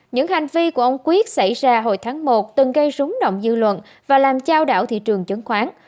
những hành vi của ông quyết xảy ra hồi tháng một từng gây rúng động dư luận và làm trao đảo thị trường chứng khoán